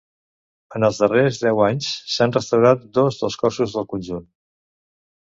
En els darrers deu anys s'han restaurat dos dels cossos del conjunt.